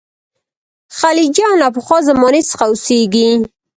خلجیان له پخوا زمانې څخه اوسېږي.